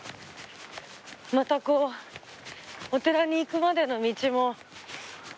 またこうお寺に行くまでの道もね